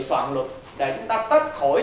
soạn luật để chúng ta tách khỏi